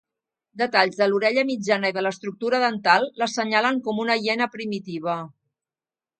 Detalls de l'orella mitjana i de l'estructura dental, l'assenyalen com una hiena primitiva.